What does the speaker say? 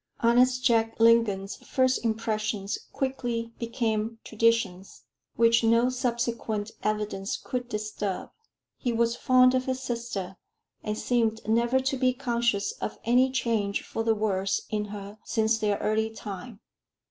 Honest Jack Lingon's first impressions quickly became traditions, which no subsequent evidence could disturb. He was fond of his sister, and seemed never to be conscious of any change for the worse in her since their early time.